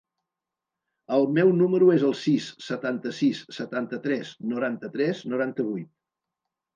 El meu número es el sis, setanta-sis, setanta-tres, noranta-tres, noranta-vuit.